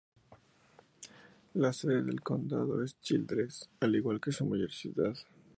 La sede del condado es Childress, al igual que su mayor ciudad.